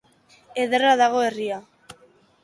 Ederra dago herria.